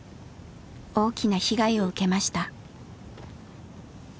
大きな被害を受けました。